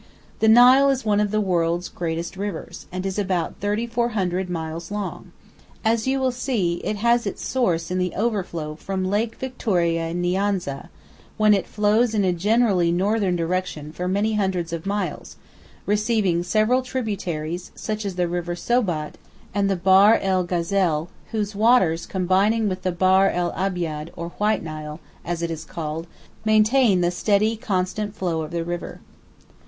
The Nile is one of the world's great rivers, and is about 3,400 miles long. As you will see, it has its source in the overflow from Lake Victoria Nyanza, when it flows in a generally northern direction for many hundreds of miles, receiving several tributaries, such as the River Sobat and the Bahr el Ghazal, whose waters, combining with the Bahr el Abiad, or White Nile, as it is called, maintain the steady constant flow of the river.